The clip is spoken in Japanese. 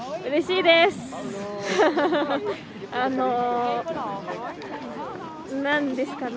うれしいです！